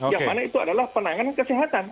yang mana itu adalah penanganan kesehatan